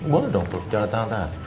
boleh dong jangan tahan tahan